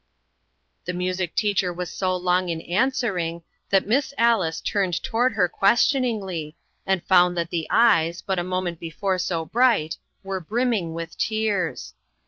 The music teacher was so long in answer ing, that Miss Alice turned toward her questioningly, and found that the eyes, but a moment before so bright, were brimming with tears.